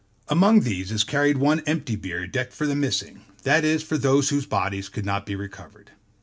Among these is carried one empty bier decked for the missing, that is, for those whose bodies could not be recovered.